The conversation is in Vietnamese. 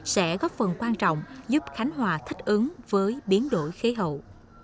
sẽ góp phần quan trọng giúp khánh hòa thích ứng với biến đổi khí hậu